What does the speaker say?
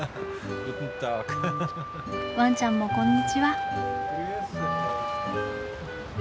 ワンちゃんもこんにちは。